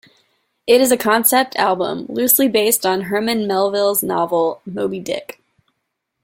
It is a concept album loosely based on Herman Melville's novel "Moby-Dick".